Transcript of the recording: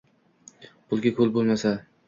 Pulga kul bo'lmasa